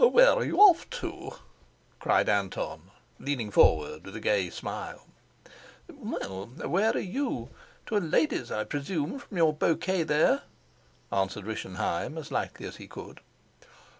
"Where are you off to?" cried Anton, leaning forward with a gay smile. "Well, where are you? To a lady's, I presume, from your bouquet there," answered Rischenheim as lightly as he could.